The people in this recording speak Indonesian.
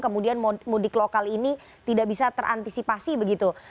kemudian mudik lokal ini tidak bisa terantisipasi begitu